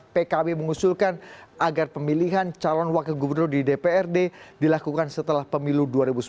pkb mengusulkan agar pemilihan calon wakil gubernur di dprd dilakukan setelah pemilu dua ribu sembilan belas